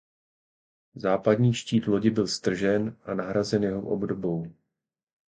Západní štít lodi byl stržen a nahrazen jeho obdobou.